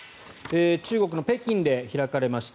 中国の北京で開かれました。